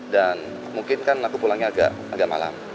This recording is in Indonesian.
dan mungkin kan aku pulangnya agak malam